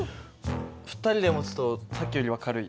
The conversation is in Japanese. ２人で持つとさっきよりは軽い。